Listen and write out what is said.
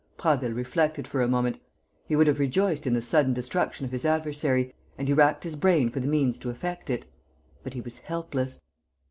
Prasville reflected for a moment. He would have rejoiced in the sudden destruction of his adversary and he racked his brain for the means to effect it. But he was helpless.